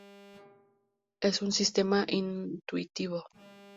Es un sistema intuitivo.